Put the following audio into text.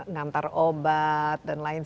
nantar obat dan lain